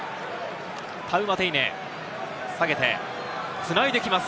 タウマテイネ、下げて繋いできます。